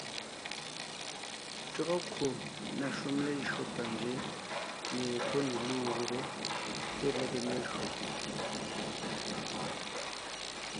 Tÿɔ́gɔ kwò na shúm lejÿó panzwě pie pɔ́ ne nóŋo gubé te lege melÿò.